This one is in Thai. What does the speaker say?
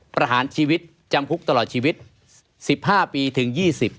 ประหารชีวิตจำคุกตลอดชีวิต๑๕ปีถึง๒๐